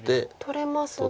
取れますが。